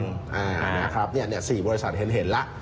นะครับนี่๔บริษัทเห็นละ